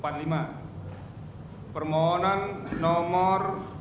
nah permohonan nomor dua ratus tiga puluh lima